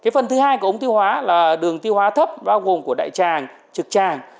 phần thứ hai của ống tiêu hóa là đường tiêu hóa thấp bao gồm của đại tràng trực tràng